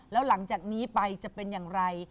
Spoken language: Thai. แล้วหลังจากนี้ไปจะเป็นอย่างไร